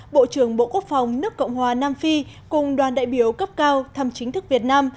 bộ trưởng bộ quốc phòng nước cộng hòa nam phi cùng đoàn đại biểu cấp cao thăm chính thức việt nam